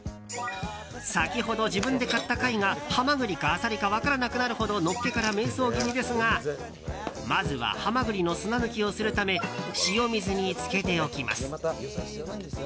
先ほど自分で買った貝がハマグリかアサリか分からなくなるほどのっけから迷走気味ですがまずハマグリの砂抜きをするため塩水に浸けておきます。